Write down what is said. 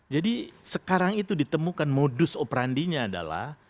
jadi sekarang itu ditemukan modus operandinya adalah